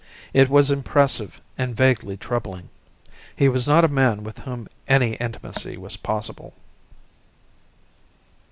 It was impressive and vaguely troubling. He was not a man with whom any intimacy was possible.